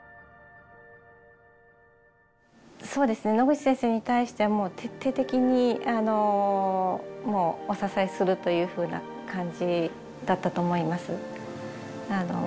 そうですねノグチ先生に対してはもう徹底的にお支えするというふうな感じだったと思います。